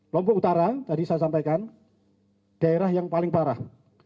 lombok utara tadi saya sampaikan daerah yang paling parah